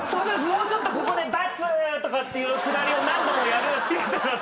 もうちょっとここで×とかっていうくだりを何度もやる予定だったんですけど。